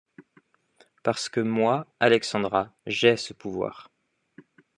Parce que moi, Alexandra, j'ai ce pouvoir.